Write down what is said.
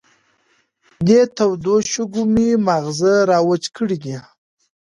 دې تودو شګو مې ماغزه را وچ کړې دي.